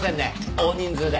大人数で。